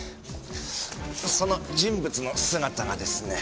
その人物の姿がですね